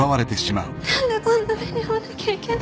何でこんな目に遭わなきゃいけないの？